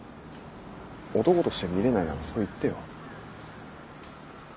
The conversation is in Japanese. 男として見れないならそう言ってよ。